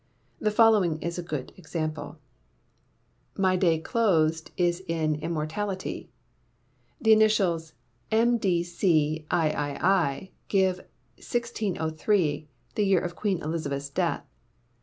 The following is a good example: My Day Closed Is In Immortality. The initials MDCIII. give 1603, the year of Queen Elizabeth's death.